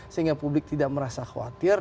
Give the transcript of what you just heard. sehingga publik tidak merasa khawatir